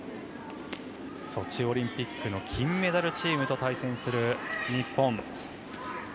ソチオリンピックの金メダルチームと対戦する日本。